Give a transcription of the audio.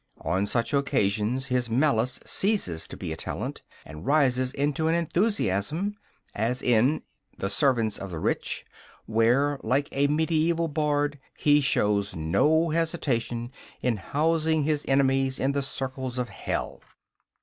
On such occasions his malice ceases to be a talent, and rises into an enthusiasm, as in The Servants of the Rich, where, like a mediaeval bard, he shows no hesitation in housing his enemies in the circles of Hell.